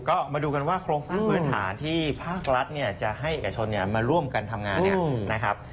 ก็มาดูกันว่าโครงฟังพื้นฐานที่ภาครัฐจะให้เอกชนมาร่วมกันทำงาน